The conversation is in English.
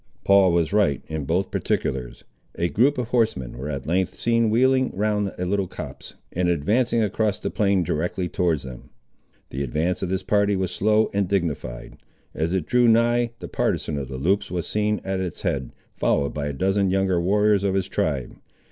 Paul was right in both particulars. A group of horsemen were at length seen wheeling round a little copse, and advancing across the plain directly towards them. The advance of this party was slow and dignified. As it drew nigh, the partisan of the Loups was seen at its head, followed by a dozen younger warriors of his tribe.